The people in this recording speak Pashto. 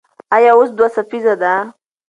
ایا اوس دوه څپیزه ده؟